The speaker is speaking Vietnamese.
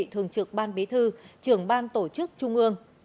thường trực ban bí thư trưởng ban tổ chức trung ương